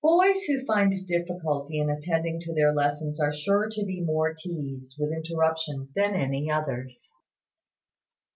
Boys who find difficulty in attending to their lessons are sure to be more teased with interruptions than any others.